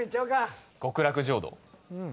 「極楽浄土」